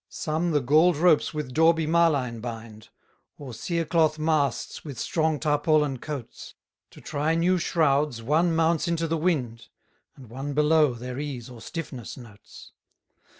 148 Some the gall'd ropes with dauby marline bind, Or sear cloth masts with strong tarpaulin coats: To try new shrouds one mounts into the wind, And one below their ease or stiffness notes.